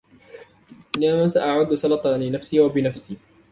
اليوم سأعد سلطة لنفسي و بنفسي.